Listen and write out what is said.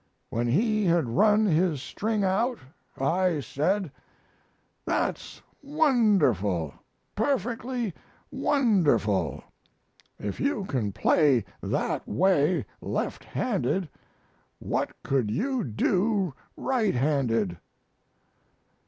When he had run his string out I said: "That's wonderful! perfectly wonderful! If you can play that way left handed what could you do right handed?'